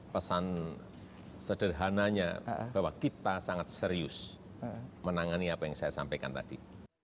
pesan sederhananya bahwa kita sangat serius menangani apa yang saya sampaikan tadi